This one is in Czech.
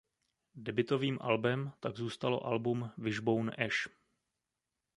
Debutovým albem tak zůstalo album Wishbone Ash.